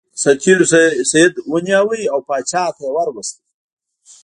سرتیرو سید ونیو او پاچا ته یې ور وست.